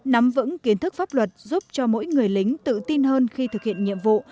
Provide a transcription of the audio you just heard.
nắm vững kiến thức pháp luật giúp cho mỗi người lính tự tin hơn khi thực hiện nhiệm vụ